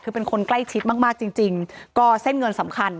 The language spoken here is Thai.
คือเป็นคนใกล้ชิดมากมากจริงจริงก็เส้นเงินสำคัญ